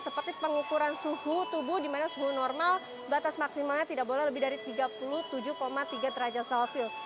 seperti pengukuran suhu tubuh di mana suhu normal batas maksimalnya tidak boleh lebih dari tiga puluh tujuh tiga derajat celcius